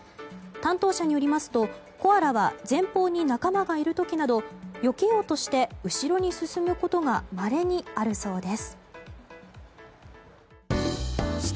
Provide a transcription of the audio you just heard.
担当者によりますとコアラは前方に仲間がいる時などよけようとして後ろに進むことがまれにあるそうです。